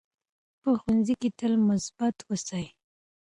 په ښوونځي کې تل مثبت اوسئ.